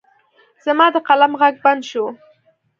زما د قلم غږ بند شو.